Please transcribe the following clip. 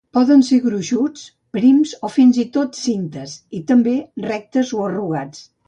Poden ser gruixuts, prims o fins i tot cintes, i també rectes o arrugats.